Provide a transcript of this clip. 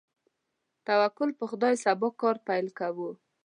توکل په خدای، سبا کار پیل کوو.